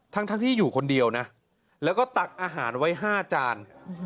ทั้งที่อยู่คนเดียวนะแล้วก็ตักอาหารไว้๕จาน